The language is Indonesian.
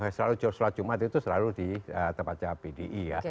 sholat jumat itu selalu di tempatnya pdi